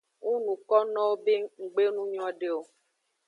Ng nukonowo be nggbe nu nyode o.